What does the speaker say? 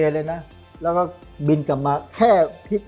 เราก็มีทั้งน้ำเอาไปเอง